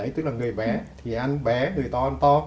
tức là người bé thì ăn bé người to ăn to